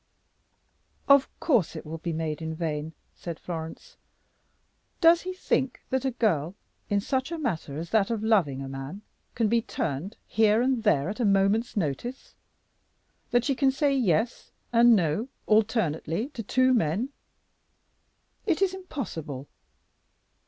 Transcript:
"Of course it will be made in vain," said Florence. "Does he think that a girl, in such a matter as that of loving a man, can be turned here and there at a moment's notice, that she can say yes and no alternately to two men? It is impossible.